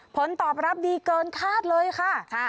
ผลตอบรับดีเกินคาดเลยค่ะ